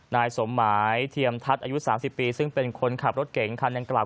นายสมหมายเทียมทัศน์อายุ๓๐ปีซึ่งเป็นคนขับรถเก๋งคันดังกล่าว